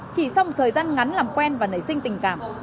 chỉ sau một thời gian ngắn làm quen và nảy sinh tình cảm